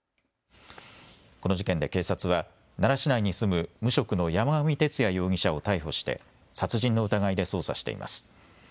この事件で警察は奈良市内に住む無職の山上徹也容疑者を逮捕して殺人の疑いで捜査しています。